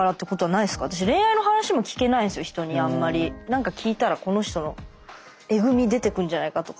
何か聞いたらこの人のエグみ出てくんじゃないかとか。